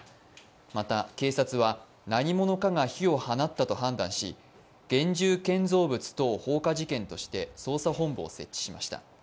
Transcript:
また警察は何者かが火を放ったと判断し、現住建造物等放火事件として捜査本部を設置しました。